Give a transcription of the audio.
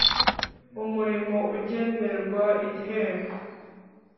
Umurimo ugenerwa igihembo.